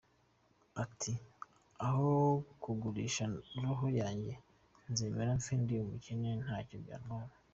Ati “Aho kugurisha roho yanjye nzemera mpfe ndi umukene ntacyo byantwara.